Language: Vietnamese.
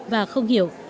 và không hiểu